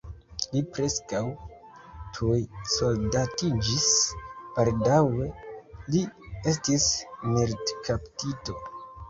Li preskaŭ tuj soldatiĝis, baldaŭe li estis militkaptito.